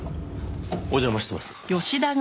お邪魔してます。